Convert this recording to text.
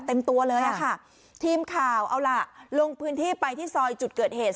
เต็มตัวเลยอ่ะค่ะทีมข่าวเอาล่ะลงพื้นที่ไปที่ซอยจุดเกิดเหตุ